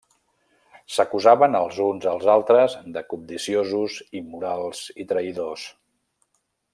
S'acusaven els uns als altres de cobdiciosos, immorals i traïdors.